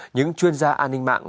những chuyên gia an ninh mạng